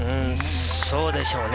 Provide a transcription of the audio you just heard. そうでしょうね。